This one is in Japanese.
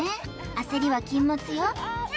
焦りは禁物よ